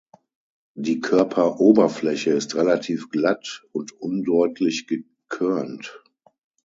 Die Körperoberfläche ist relativ glatt und undeutlich gekörnt.